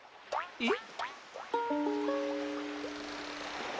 えっ？